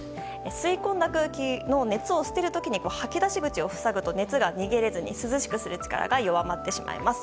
吸い込んだ空気の熱を捨てる時に吐き出し口を塞ぐと熱が逃げきれずに涼しくする力が弱まってしまいます。